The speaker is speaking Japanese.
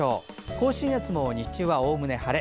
甲信越も日中はおおむね晴れ。